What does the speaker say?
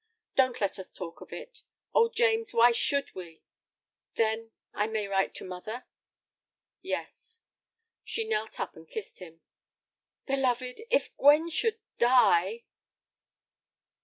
"Don't let us talk of it. Oh, James, why should we? Then, I may write to mother?" "Yes." She knelt up and kissed him. "Beloved, if Gwen should die!"